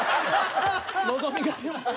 「のぞみが出ます」。